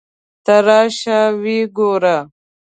ته راشه ویې ګوره.